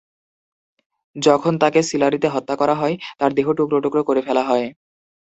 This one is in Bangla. যখন তাকে সিলারিতে হত্যা করা হয়, তার দেহ টুকরো টুকরো করে ফেলা হয়।